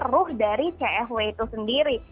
ruh dari cfw itu sendiri